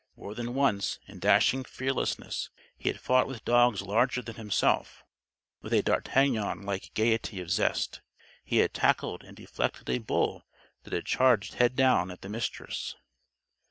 More than once, in dashing fearlessness, he had fought with dogs larger than himself. With a d'Artagnan like gaiety of zest, he had tackled and deflected a bull that had charged head down at the Mistress.